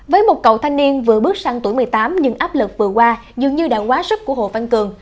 với một cậu thanh niên vừa bước sang tuổi một mươi tám nhưng áp lực vừa qua dường như đã quá sức của hồ văn cường